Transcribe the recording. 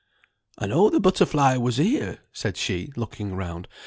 "I know the Butterfly was here," said she, looking round.